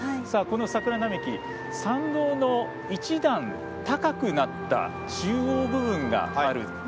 この桜並木参道の１段高くなった中央部分がある。